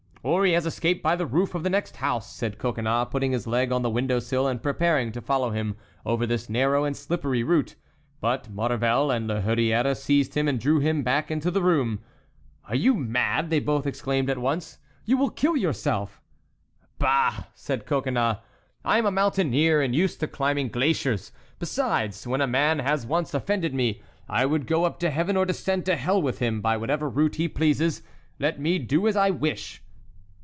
"Or he has escaped by the roof of the next house," said Coconnas, putting his leg on the window sill and preparing to follow him over this narrow and slippery route; but Maurevel and La Hurière seized him and drew him back into the room. "Are you mad?" they both exclaimed at once; "you will kill yourself!" "Bah!" said Coconnas, "I am a mountaineer, and used to climbing glaciers; besides, when a man has once offended me, I would go up to heaven or descend to hell with him, by whatever route he pleases. Let me do as I wish."